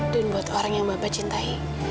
dan buat orang yang bapak cintai